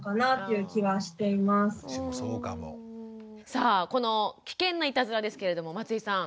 さあこの危険ないたずらですけれども松井さん